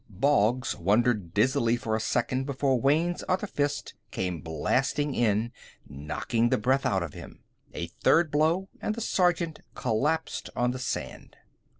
Boggs wandered dizzily for a second before Wayne's other fist came blasting in, knocking the breath out of him. A third blow, and the sergeant collapsed on the sand.